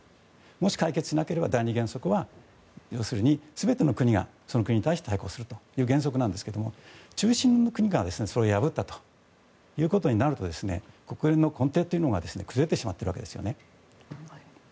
もし解決しなければ第２原則は要するに全ての国がその国に対して対抗するという原則なんですが中心の国がそれを破ったということになると国連の根底というのが崩れてしまっているわけですね。